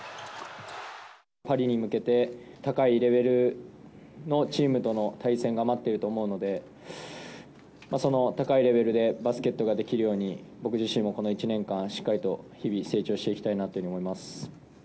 パリに向けて、高いレベルのチームとの対戦が待っていると思うので、その高いレベルでバスケットができるように、僕自身もこの１年間、しっかりと日々成長していきたいなと思います。